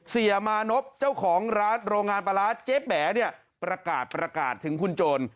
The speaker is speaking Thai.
เสียมานพเจ้าของร้านโรงงานปลาร้าเจ๊แหมเนี่ยประกาศประกาศถึงคุณโจร